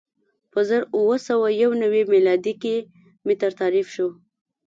په زر اووه سوه یو نوې میلادي کې متر تعریف شو.